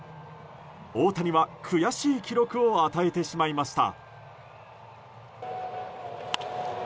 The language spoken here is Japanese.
大谷は悔しい記録を与えてしまいました。